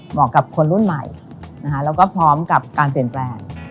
กับคนรุ่นใหม่แล้วก็พร้อมกับการเปลี่ยนแปลง